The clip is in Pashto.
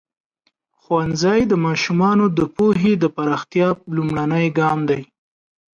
ښوونځی د ماشومانو د پوهې د پراختیا لومړنی ګام دی.